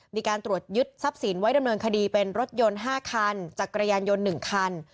มีการตรวจยึดทรัพย์สินไว้ดำเนินคดีเป็นรถยนต์๕คันจักรยานยนต์๑คัน